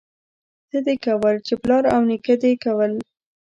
څه دي کول، چې پلار او نيکه دي کول.